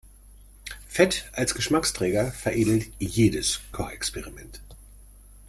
Fett als Geschmacksträger veredelt jedes Kochexperiment.